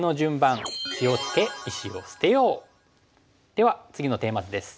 では次のテーマ図です。